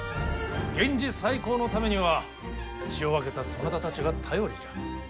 源氏再興のためには血を分けたそなたたちが頼りじゃ。